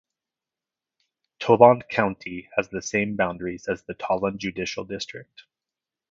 Tolland County has the same boundaries as the Tolland Judicial District.